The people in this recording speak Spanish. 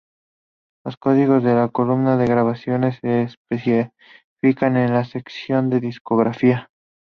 Los códigos de la columna de "Grabaciones" se especifican en la sección de "Discografía".